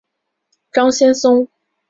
张先松。